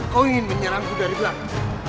kau ingin menyerangku dari belakang